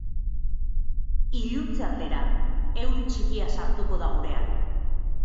Iluntze aldera, euri txikia sartuko da gurean.